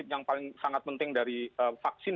yang paling sangat penting dari vaksin